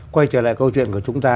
quay trở lại câu chuyện của chúng ta